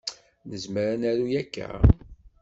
Nezmer ad naru akka?